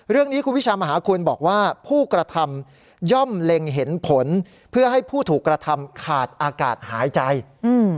เรื่องนี้คุณวิชามหาคุณบอกว่าผู้กระทำย่อมเล็งเห็นผลเพื่อให้ผู้ถูกกระทำขาดอากาศหายใจอืม